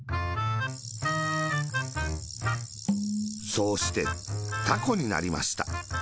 そうして、たこになりました。